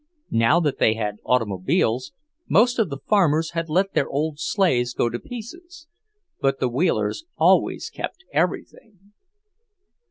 Now that they had automobiles, most of the farmers had let their old sleighs go to pieces. But the Wheelers always kept everything.